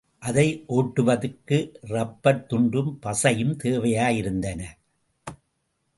அதை ஓட்டுவதற்கு ரப்பர் துண்டும் பசையும் தேவையாயிருந்தன.